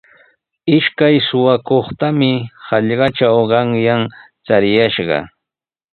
Ishkay suqakuqtami hallaqatraw qanyan chariyashqa.